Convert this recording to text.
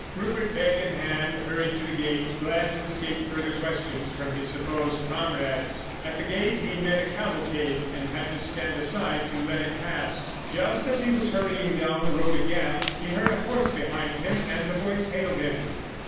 Rupert, bag in hand, hurried to the gate, glad to escape further questions from his supposed comrades. At the gate he met a cavalcade, and had to stand aside to let it pass. Just as he was hurrying down the road again, he heard a horse behind him, and a voice hailed him.